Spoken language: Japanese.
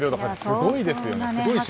すごいですよね。